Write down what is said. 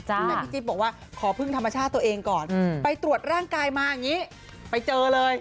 แต่พี่จิ๊บบอกว่าขอพึ่งธรรมชาติตัวเองก่อนไปตรวจร่างกายมาอย่างนี้ไปเจอเลย